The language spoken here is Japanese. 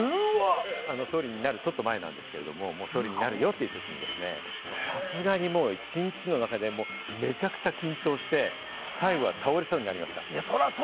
総理になるちょっと前なんですけど、もう総理になるよってときにさすがに一日の中でめちゃくちゃ緊張して最後は倒れそうになりました。